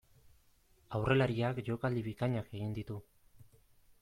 Aurrelariak jokaldi bikainak egin ditu.